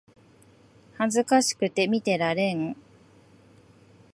恥ずかしくて見てられん